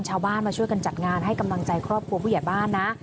ชาวบ้านมาช่วยกันจัดงานให้กำลังใจครอบครัวผู้ใหญ่บ้านนะ